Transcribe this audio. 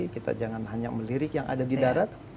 kita jangan hanya melirik yang ada di darat